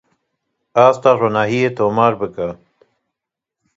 Asta ronahiyê tomar bike.